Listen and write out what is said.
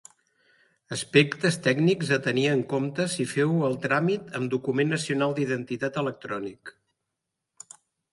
Aspectes tècnics a tenir en compte si feu el tràmit amb document nacional d'identitat electrònic.